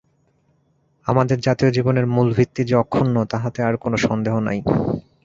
আমাদের জাতীয় জীবনের মূল ভিত্তি যে অক্ষুণ্ণ, তাহাতে আর কোন সন্দেহ নাই।